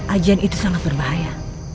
ajan itu sangat berbahaya